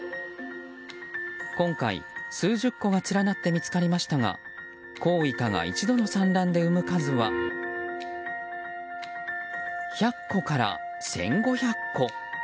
今回、数十個が連なって見つかりましたがコウイカが一度の産卵で産む数は１００個から１５００個。